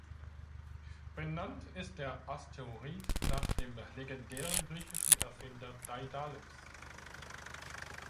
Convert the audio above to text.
Benannt ist der Asteroid nach dem legendären griechischen Erfinder Daidalos.